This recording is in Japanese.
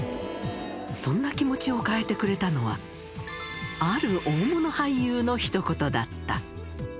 そんな気持ちを変えてくれたのは、ある大物俳優のひと言だった。